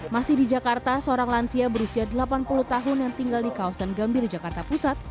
masih di jakarta seorang lansia berusia delapan puluh tahun yang tinggal di kawasan gambir jakarta pusat